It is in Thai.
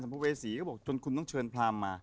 แสงพวกเวสีก็บอกคุณเค้าต้องชวนพรมา